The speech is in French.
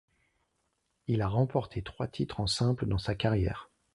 Il a remporté trois titres en simple dans sa carrière.